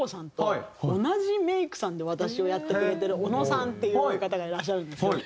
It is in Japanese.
私をやってくれてる小野さんっていう方がいらっしゃるんですよ。